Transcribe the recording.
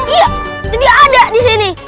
iya jadi ada di sini